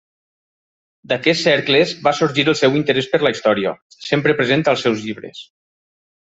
D'aquests cercles va sorgir el seu interès per la història, sempre present als seus llibres.